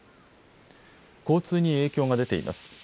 交通に影響が出ています。